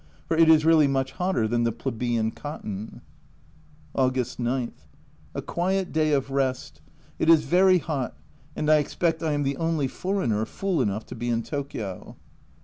for it is really much hotter than the plebeian cotton. August 9. A quiet day of rest. It is very hot, and I expect I am the only foreigner fool enough to be in Tokio.